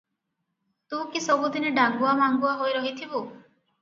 ତୁ କି ସବୁ ଦିନେ ଡାଙ୍ଗୁଆ ମାଙ୍ଗୁଆ ହୋଇ ରହିଥିବୁ?